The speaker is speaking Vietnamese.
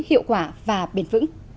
hiệu quả và bền vững